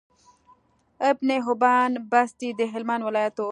ابن حبان بستي د هلمند ولايت وو